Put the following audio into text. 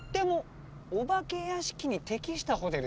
お化け屋敷に適したホテル。